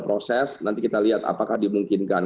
proses nanti kita lihat apakah dimungkinkan